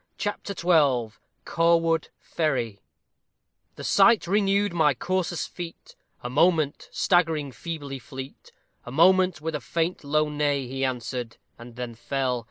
CHAPTER XII CAWOOD FERRY The sight renewed my courser's feet, A moment, staggering feebly fleet, A moment, with a faint low neigh, He answered, and then fell.